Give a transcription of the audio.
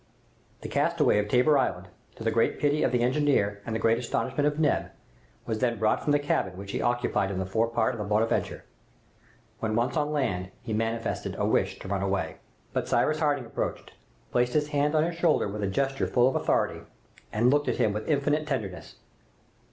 The castaway of Tabor Island, to the great pity of the engineer and the great astonishment of Neb, was then brought from the cabin which he occupied in the fore part of the "Bonadventure"; when once on land he manifested a wish to run away. But Cyrus Harding approaching, placed his hand on his shoulder with a gesture full of authority, and looked at him with infinite tenderness.